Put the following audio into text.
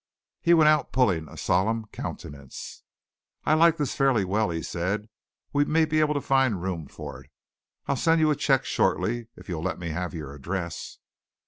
He went out, pulling a solemn countenance. "I like this fairly well," he said. "We may be able to find room for it. I'll send you a check shortly if you'll let me have your address."